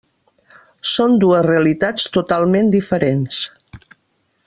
Són dues realitats totalment diferents.